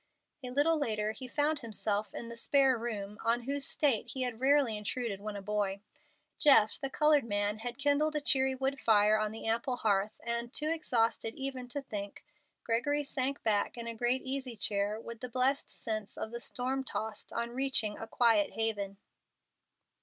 A little later he found himself in the "spare room," on whose state he had rarely intruded when a boy. Jeff, the colored man, had kindled a cheery wood fire on the ample hearth, and, too exhausted even to think, Gregory sank back in a great easy chair with the blessed sense of the storm tossed on reaching a quiet haven.